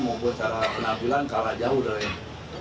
mumpung secara penampilan kalah jauh dari pelaku yang ditembak